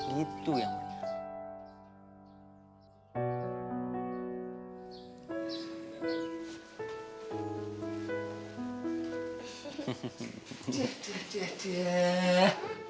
gitu yang benar